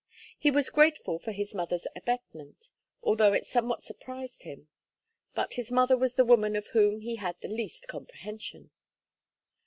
He was grateful for his mother's abetment, although it somewhat surprised him; but his mother was the woman of whom he had the least comprehension.